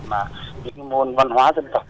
mà những cái môn văn hóa dân tộc